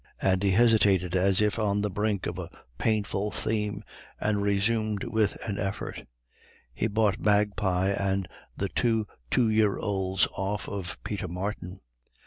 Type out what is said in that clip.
Andy hesitated, as if on the brink of a painful theme, and resumed with an effort: "He's bought Magpie and the two two year olds off of Peter Martin.